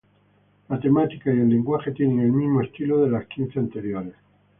La temática y el lenguaje tienen el mismo estilo de las quince anteriores.